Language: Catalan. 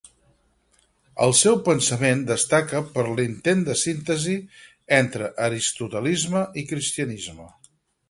El seu pensament destaca per l'intent de síntesi entre aristotelisme i cristianisme.